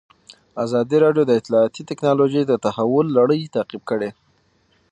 ازادي راډیو د اطلاعاتی تکنالوژي د تحول لړۍ تعقیب کړې.